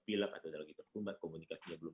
pilak atau tidak lagi tersumbat komunikasinya belum